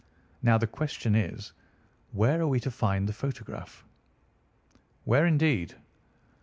Now the question is, Where are we to find the photograph?" "Where, indeed?"